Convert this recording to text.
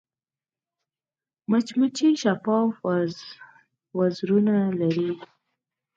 مچمچۍ شفاف وزرونه لري